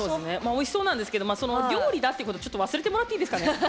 おいしそうなんですけどまあ料理だってことちょっと忘れてもらっていいですかね。